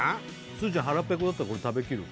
すずちゃんハラペコだったらこれ食べきる？